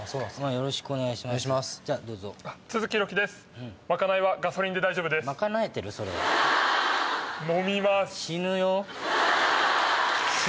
よろしくお願いします。